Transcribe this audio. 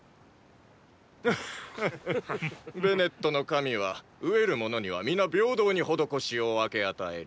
ベネットの神は飢えるものには皆平等に施しを分け与える。